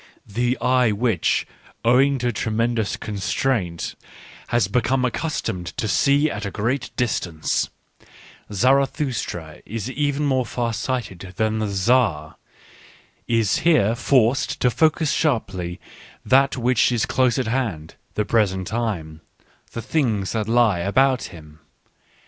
The eye which, Digitized by Google Il6 ECCE HOMO owing to tremendous constraint, has become accustomed to see at a great distance, — Zara thustra is even more far sighted than the Tsar, — is here forced to focus sharply that which is close at hand, the present time, the things that lie about him.